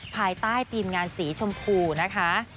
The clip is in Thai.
ภายใต้ทีมงานสีชมพูนะคะ